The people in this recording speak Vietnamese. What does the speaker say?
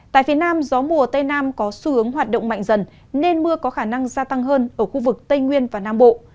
tại phía nam gió mùa tây nam có xu hướng hoạt động mạnh dần nên mưa có khả năng gia tăng hơn ở khu vực tây nguyên và nam bộ